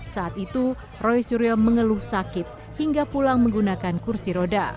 saat itu roy suryo mengeluh sakit hingga pulang menggunakan kursi roda